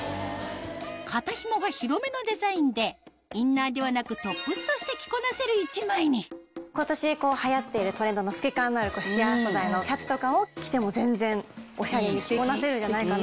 肩ひもが広めのデザインでインナーではなく一枚に今年はやっているトレンドの透け感のあるシアー素材のシャツとかを着ても全然オシャレに着こなせるんじゃないかなと。